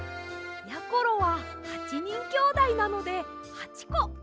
やころは８にんきょうだいなので８こください。